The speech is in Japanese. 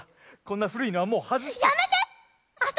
こんな古いのはもう外して。